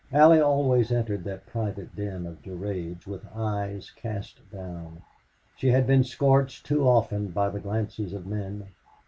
Allie always entered that private den of Durade's with eyes cast down. She had been scorched too often by the glances of men.